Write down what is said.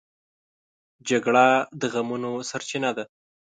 جګړه د غمونو سرچینه ده